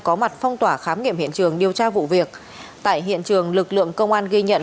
có mặt phong tỏa khám nghiệm hiện trường điều tra vụ việc tại hiện trường lực lượng công an ghi nhận